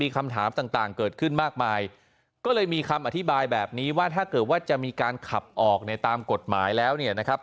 คำถามต่างเกิดขึ้นมากมายก็เลยมีคำอธิบายแบบนี้ว่าถ้าเกิดว่าจะมีการขับออกในตามกฎหมายแล้วเนี่ยนะครับ